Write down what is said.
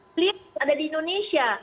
beliau ada di indonesia